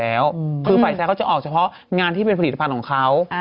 แล้วก็จะเป็นผลิตภัณฑ์ของเค้า